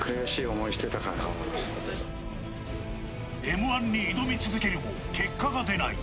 Ｍ‐１に挑み続けるも結果が出ない。